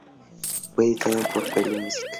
Fue editado por Pelo Music.